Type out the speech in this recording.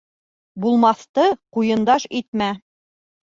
Булмаҫты ҡуйындаш итмә.